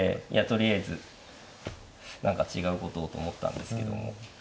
とりあえず何か違うことをと思ったんですけども。